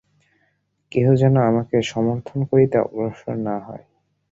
কেহ যেন আমাকে সমর্থন করিতে অগ্রসর না হয়।